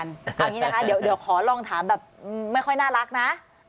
อันนี้นะครับเดี๋ยวขอลองจะถามแบบไม่ค่อยน่ารักนะ